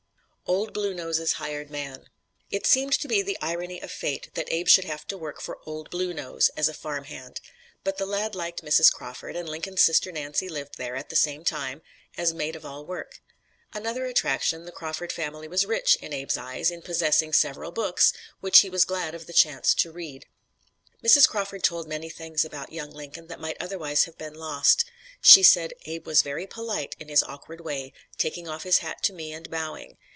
"OLD BLUE NOSE'S" HIRED MAN It seemed to be the "irony of fate" that Abe should have to work for "Old Blue Nose" as a farm hand. But the lad liked Mrs. Crawford, and Lincoln's sister Nancy lived there, at the same time, as maid of all work. Another attraction, the Crawford family was rich, in Abe's eyes, in possessing several books, which he was glad of the chance to read. Mrs. Crawford told many things about young Lincoln that might otherwise have been lost. She said "Abe was very polite, in his awkward way, taking off his hat to me and bowing.